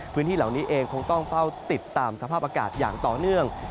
พื้นที่เหล่านี้เองคงต้องเฝ้าติดตามสภาพอากาศอย่างต่อเนื่อง